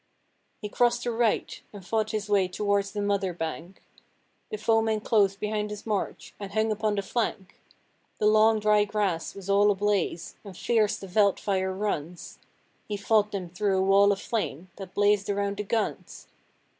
He crossed the Reit and fought his way towards the Modder bank. The foemen closed behind his march, and hung upon the flank. The long, dry grass was all ablaze, and fierce the veldt fire runs; He fought them through a wall of flame that blazed around the guns!